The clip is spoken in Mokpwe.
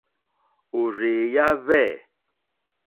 Òrzèèyá hwɛ̂.